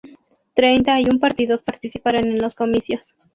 Treinta y un partidos participaron en los comicios.